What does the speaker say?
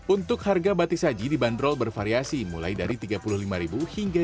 untuk harga batik saji dibanderol bervariasi mulai dari rp tiga puluh lima hingga